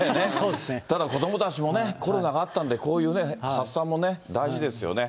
ただ、子どもたちもね、コロナがあったんで、こういう発散もね、大事ですよね。